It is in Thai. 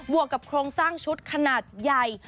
วกกับโครงสร้างชุดขนาดใหญ่